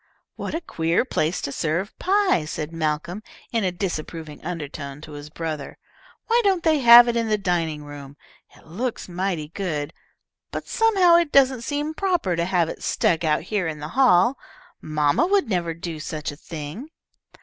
"What a queer place to serve pie," said Malcolm, in a disapproving undertone to his brother. "Why don't they have it in the dining room? It looks mighty good, but somehow it doesn't seem proper to have it stuck out here in the hall. Mamma would never do such a thing."